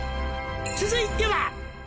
「続いては」